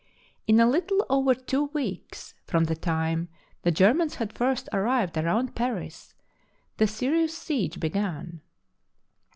In a little over two weeks from the time the Ger mans had first arrived around Paris the serious THE SIEGE OF PARIS siege began.